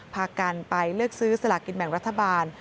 พากันไปเลือกซื้อสลากินแบ่งรัฐบาล